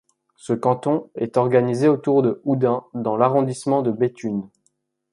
Ce canton est organisé autour de Houdain dans l'arrondissement de Béthune.